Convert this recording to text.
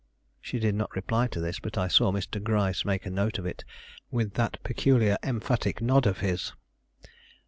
She did not reply to this; but I saw Mr. Gryce make a note of it with that peculiar emphatic nod of his.